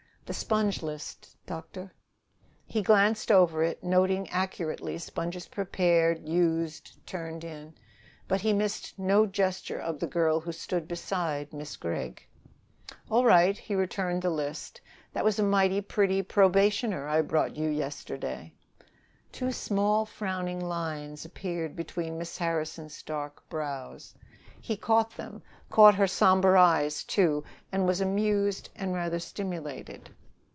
"The sponge list, doctor." He glanced over it, noting accurately sponges prepared, used, turned in. But he missed no gesture of the girl who stood beside Miss Gregg. "All right." He returned the list. "That was a mighty pretty probationer I brought you yesterday." Two small frowning lines appeared between Miss Harrison's dark brows. He caught them, caught her somber eyes too, and was amused and rather stimulated.